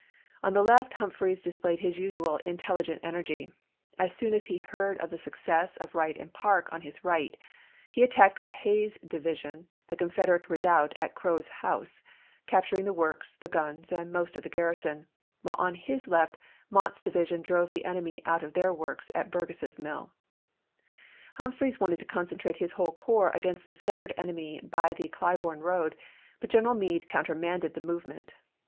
On the left Humphreys displayed his usual intelligent energy; as soon as he heard of the success of Wright and Parke, on his right, he attacked with api. 2, 186& Hays's division the Confederate redoubt at Crow's house, capturing the works, the guns, and most of the garrison, while upon his left Mott's division drove the enemy out of their works at Burgess's Mill. Humphreys wanted to concentrate his whole corps against the scattered enemy by the Clai borne road; but General Meade countermanded the movement.